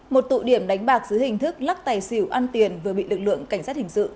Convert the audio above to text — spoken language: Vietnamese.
một tụ điểm đánh bạc dưới hình thức lắc tài xỉu ăn tiền vừa bị lực lượng cảnh sát hình sự